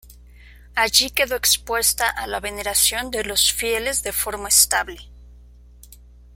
Allí quedó expuesta a la veneración de los fieles de forma estable.